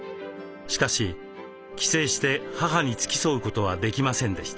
しかし帰省して母に付き添うことはできませんでした。